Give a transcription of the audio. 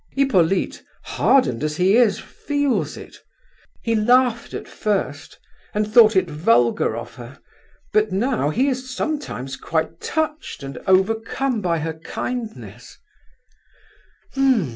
Hippolyte, hardened as he is, feels it. He laughed at first, and thought it vulgar of her—but now, he is sometimes quite touched and overcome by her kindness.